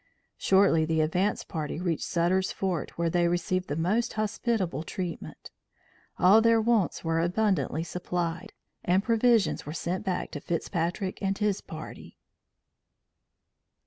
Shortly the advance party reached Sutter's Fort where they received the most hospitable treatment. All their wants were abundantly supplied, and provisions were sent back to Fitzpatrick and his party.